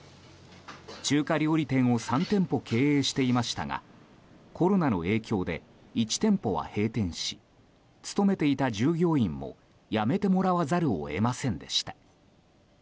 中華料理店を３店舗経営していましたがコロナの影響で１店舗は閉店し勤めていた従業員もやめてもらわざるを得ませんでした。